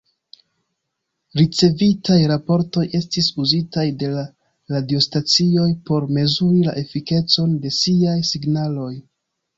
Ricevitaj raportoj estis uzitaj de la radiostacioj por mezuri la efikecon de siaj signaloj.